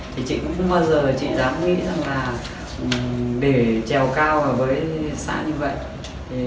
thì chị cũng không bao giờ chị dám nghĩ rằng là để trèo cao ở với xã như vậy